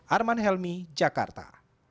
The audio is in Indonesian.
arman helmi jakarta